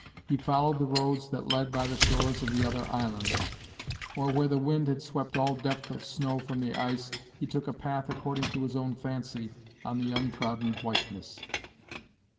He followed the roads that led by the shores of the other islands; or, where the wind had swept all depth of snow from the ice, he took a path according to his own fancy on the untrodden whiteness.